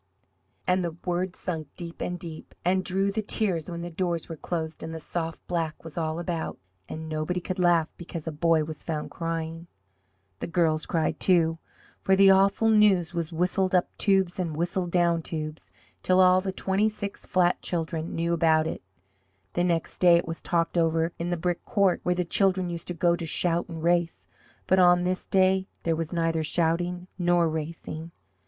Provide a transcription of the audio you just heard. And the words sunk deep and deep and drew the tears when the doors were closed and the soft black was all about and nobody could laugh because a boy was found crying! The girls cried too for the awful news was whistled up tubes and whistled down tubes, till all the twenty six flat children knew about it. The next day it was talked over in the brick court, where the children used to go to shout and race. But on this day there was neither shouting nor racing.